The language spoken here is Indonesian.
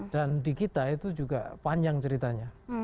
dan di kita itu juga panjang ceritanya